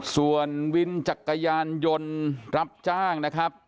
ส่วนวินจักรยานยนต์รับจ้างนะครับ